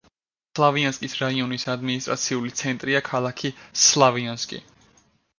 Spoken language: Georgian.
სლავიანსკის რაიონის ადმინისტრაციული ცენტრია ქალაქი სლავიანსკი.